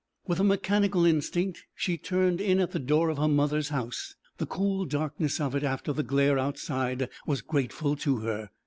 With a mechanical instinct she turned in at the door of her mother's house. The cool darkness of it after the glare outside was grateful to her.